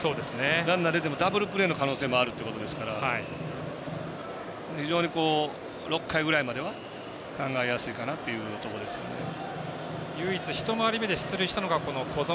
ランナー出てもダブルプレーの可能性もあるということですから非常に６回ぐらいまでは考えやすいかな唯一、１回り目で出塁したのが小園。